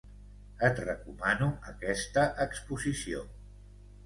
Et recomano aquesta exposició.